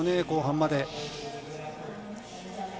後半まで。